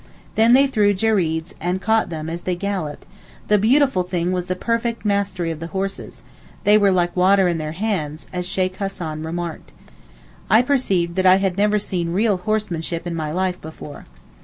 Then they threw jereeds and caught them as they galloped: the beautiful thing was the perfect mastery of the horses: they were 'like water in their hands,' as Sheykh Hassan remarked. I perceived that I had never seen real horsemanship in my life before.